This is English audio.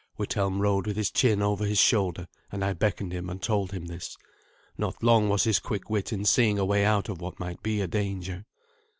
Withelm rode with his chin over his shoulder, and I beckoned him and told him this. Not long was his quick wit in seeing a way out of what might be a danger.